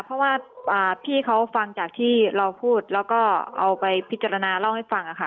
เพราะว่าพี่เขาฟังจากที่เราพูดแล้วก็เอาไปพิจารณาเล่าให้ฟังค่ะ